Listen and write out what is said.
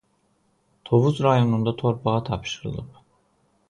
Tovuz rayonunda torpağa tapşırılıb.